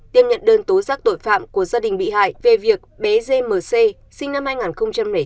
đem nhận đơn tố giác tội phạm của gia đình bị hại về việc bé dê mờ xê sinh năm hai nghìn chín